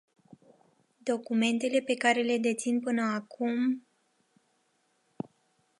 Documentele pe care le dețin până acum...